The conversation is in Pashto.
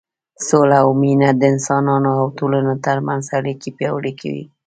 سوله او مینه د انسانانو او ټولنو تر منځ اړیکې پیاوړې کوي.